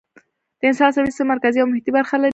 د انسان عصبي سیستم مرکزي او محیطی برخې لري